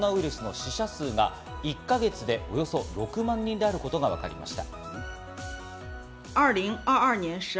死者数が１か月でおよそ６万人であることがわかりました。